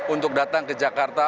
untuk datang ke jakarta